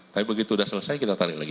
tapi begitu sudah selesai kita tarik lagi